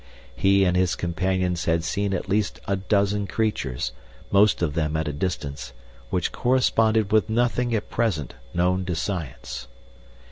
He and his companions had seen at least a dozen creatures, most of them at a distance, which corresponded with nothing at present known to Science.